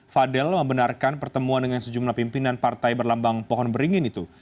fadil membenarkan pertemuan dengan sejumlah pimpinan partai berlambang pohon beringin itu